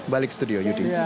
balik studio yudi